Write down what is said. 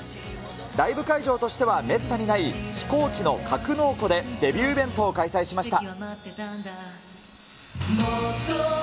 ライブ会場としてはめったにない、飛行機の格納庫でデビューイベントを開催しました。